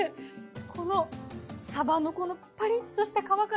このサバのこのパリッとした皮から出てくる